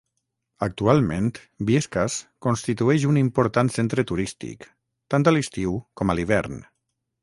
Actualment Biescas constitueix un important centre turístic, tant a l’estiu com a l’hivern.